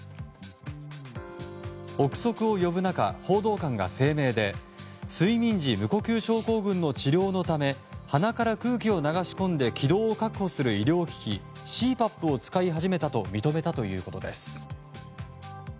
憶測を呼ぶ中、報道官が声明で睡眠時無呼吸症候群の治療のため鼻から空気を流し込んで気道を確保する医療機器ＣＰＡＰを使い始めたと認めたということです。